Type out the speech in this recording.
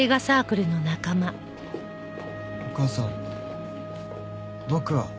お母さん僕は。